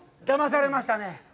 だまされましたね。